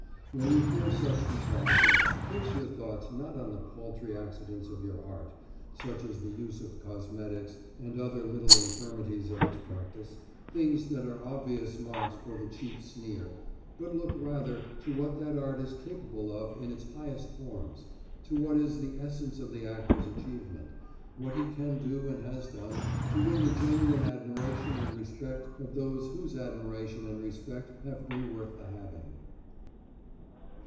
When you hear such detraction, fix your thoughts not on the paltry accidents of your art, such as the use of cosmetics and other little infirmities of its practice, things that are obvious marks for the cheap sneer, but look rather to what that art is capable of in its highest forms, to what is the essence of the actor's achievement, what he can do and has done to win the genuine admiration and respect of those whose admiration and respect have been worth the having.